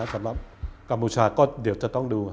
สำหรับกัมพูชาก็เดี๋ยวจะต้องดู